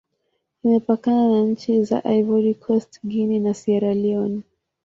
Imepakana na nchi za Ivory Coast, Guinea, na Sierra Leone.